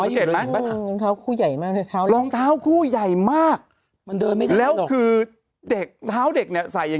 สังเกตไหมลองเท้าคู่ใหญ่มากแล้วคือเด็กเท้าเด็กใส่อย่าง